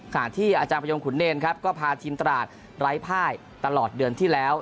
ที่อาจารย์ประยงขุนเนรครับก็พาทีมตราดไร้ภายตลอดเดือนที่แล้ว